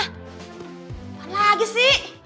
apa lagi sih